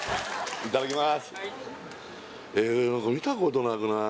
いただきます